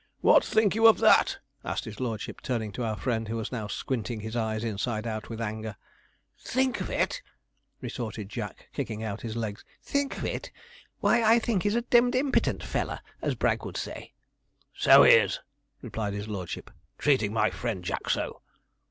'What think you of that?' asked his lordship, turning to our friend, who was now squinting his eyes inside out with anger. 'Think of it!' retorted Jack, kicking out his legs 'think of it! why, I think he's a dim'd impittant feller, as Bragg would say.' 'So he is,' replied his lordship; 'treating my friend Jack so.'